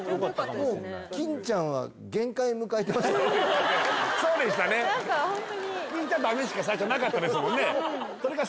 もうそうでしたねしか最初なかったですもんね